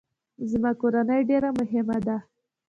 زما کورنۍ ډیره مهمه ده